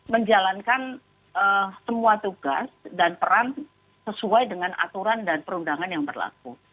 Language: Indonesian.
menjalankan semua tugas dan peran sesuai dengan aturan dan perundangan yang berlaku